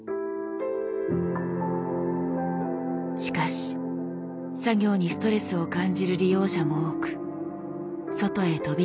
しかし作業にストレスを感じる利用者も多く外へ飛び出す人も。